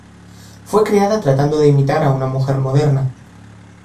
Fue creada tratando de imitar a una mujer moderna.